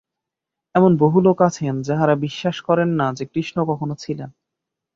এমন বহু লোক আছেন, যাঁহারা বিশ্বাস করেন না যে, কৃষ্ণ কখনও ছিলেন।